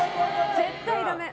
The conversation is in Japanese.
絶対ダメ